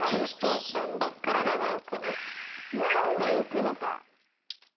なんで浮くのか？